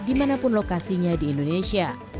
dimana pun lokasinya di indonesia